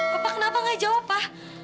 papa kenapa gak jawab pa